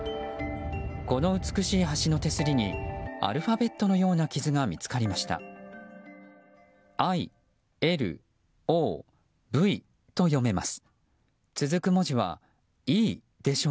この美しい橋の手すりにアルファベットのような傷が見つかりました。